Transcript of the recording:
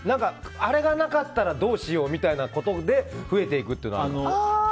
あれがなかったらどうしようみたいなことで増えていくっていうのはあります。